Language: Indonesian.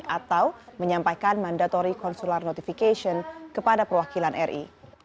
atau menyampaikan mandatory consullar notification kepada perwakilan ri